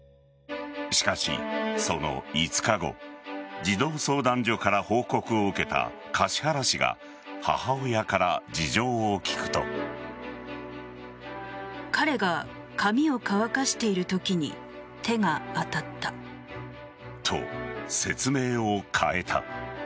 しかし、その５日後児童相談所から報告を受けた橿原市が母親から事情を聞くと。と、説明を変えた。